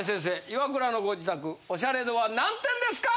イワクラのご自宅オシャレ度は何点ですか？